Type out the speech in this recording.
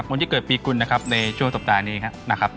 องค์ที่เกิดปีกุ้นในช่วงสัปดาห์นี้ครับ